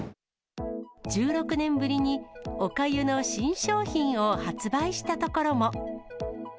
１６年ぶりにおかゆの新商品を発売したところも。